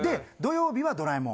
土曜日は。